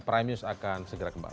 prime news akan segera kembali